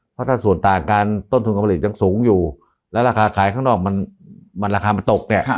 เพราะถ้าส่วนต่างการต้นทุนการผลิตยังสูงอยู่แล้วราคาขายข้างนอกมันราคามันตกเนี่ย